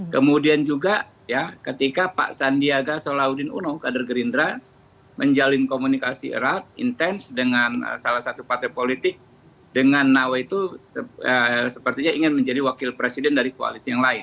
kemudian juga ya ketika pak sandiaga solaudin uno kader gerindra menjalin komunikasi erat intens dengan salah satu partai politik dengan nawaitu sepertinya ingin menjadi wakil presiden dari koalisi yang lain